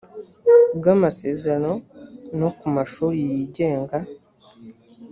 bw amasezerano no ku mashuri yigenga